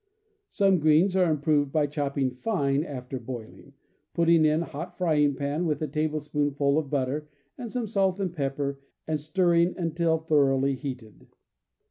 Some greens are improved by chopping fine after boiling, putting in hot frying pan with a tablespoonful of butter and some salt and pepper, and stirring until thoroughly heated.